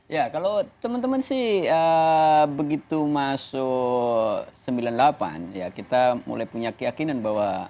ya kalau teman teman sih begitu masuk sembilan puluh delapan ya kita mulai punya keyakinan bahwa